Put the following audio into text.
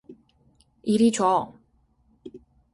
이리 줘.